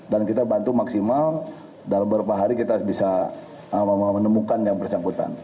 dan kita bantu maksimal dalam beberapa hari kita bisa menemukan yang bersangkutan